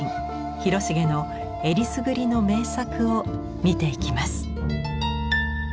広重のえりすぐりの名作を見ていきます。